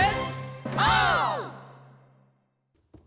オー！